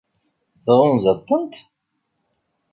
Tɣunzaḍ-tent?